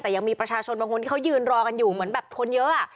แต่ยังมีประชาชนบางคนที่เขายืนรอกันอยู่เหมือนแบบคนเยอะ